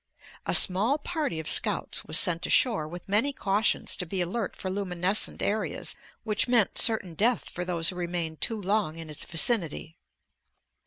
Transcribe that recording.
A small party of scouts was sent ashore with many cautions to be alert for luminescent areas which meant certain death for those who remained too long in its vicinity.